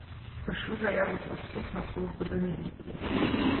Пишу заяву про вступ на службу до міліції.